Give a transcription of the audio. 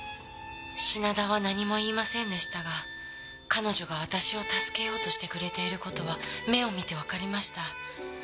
品田は何も言いませんでしたが彼女が私を助けようとしてくれている事は目を見てわかりました。